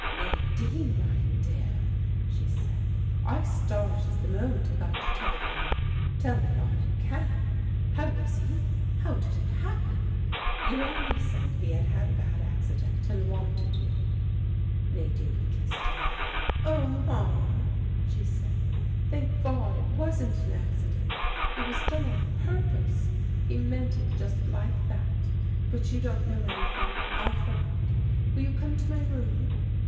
"Nadine, my dear," she said, "I started the moment I got your telegram. Tell me all you can. How is he? How did it happen? You only said he had had a bad accident, and wanted me." Nadine kissed her. "Oh! Mama," she said. "Thank God it wasn't an accident. It was done on purpose. He meant it just like that. But you don't know anything; I forgot. Will you come to my room?"